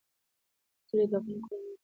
کلي د افغان کورنیو د دودونو مهم عنصر دی.